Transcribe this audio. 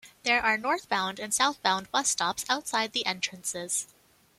There are northbound and southbound bus stops outside the entrances.